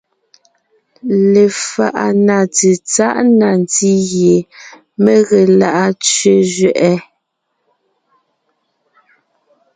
Lefaʼa na tsetsáʼ na ntí gie mé ge lá’a tsẅé zẅɛʼɛ: